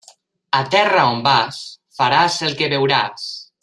A terra on vas, faràs el que veuràs.